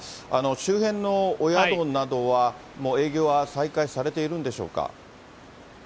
周辺のお宿などは、営業は再開されているんでしょうか。